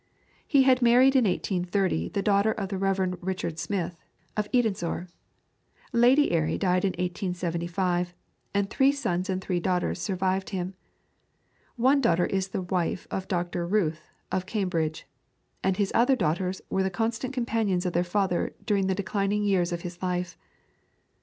He had married in 1830 the daughter of the Rev. Richard Smith, of Edensor. Lady Airy died in 1875, and three sons and three daughters survived him. One daughter is the wife of Dr. Routh, of Cambridge, and his other daughters were the constant companions of their father during the declining years of his life.